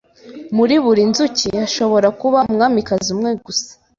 Muri buri nzuki hashobora kuba umwamikazi umwe gusa.